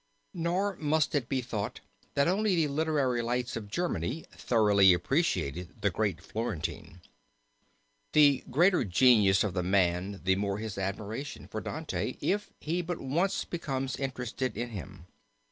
Nor must it be thought that only the literary lights of Germany thoroughly appreciated the great Florentine. The greater the genius of the man the more his admiration for Dante if he but once becomes interested in him.